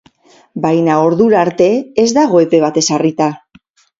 Baina ordura arte ez dago epe bat ezarrita.